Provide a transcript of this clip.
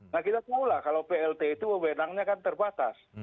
nah kita tahu lah kalau plt itu wewenangnya kan terbatas